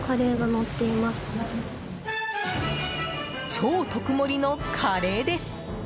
超特盛りのカレーです。